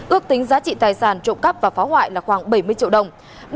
ước tính giá trị tài sản trộm cắp và phá hoại là khoảng bảy mươi triệu đồng